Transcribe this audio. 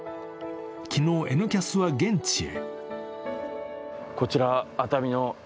昨日「Ｎキャス」は現地へ。